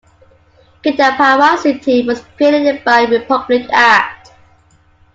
Kidapawan City was created by the Republic Act.